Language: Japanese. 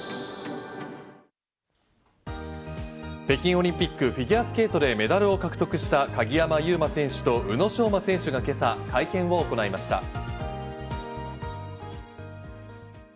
北京オリンピックフィギュアスケートでメダルを獲得した鍵山優真選手と宇野昌磨選手が今朝、会見を行いました。